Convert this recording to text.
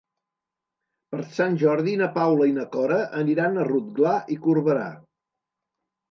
Per Sant Jordi na Paula i na Cora aniran a Rotglà i Corberà.